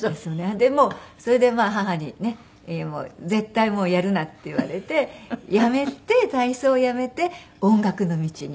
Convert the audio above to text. でもうそれで母にね「絶対もうやるな」って言われて辞めて体操を辞めて音楽の道に。